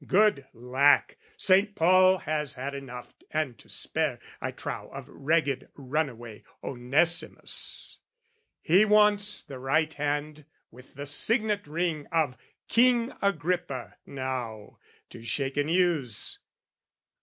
Good lack! "Saint Paul has had enough and to spare, I trow, "Of ragged run away Onesimus: "He wants the right hand with the signet ring "Of King Agrippa, now, to shake and use.